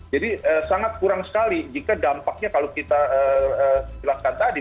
jadi sangat kurang sekali jika dampaknya kalau kita jelaskan tadi